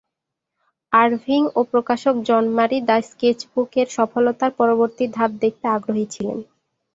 Irving ও প্রকাশক John Murray "the sketch বুক"-এর সফলতার পরবর্তী ধাপ দেখতে আগ্রহী ছিলেন।